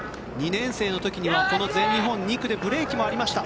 ２年生の時にはこの全日本２区ではブレーキもありました。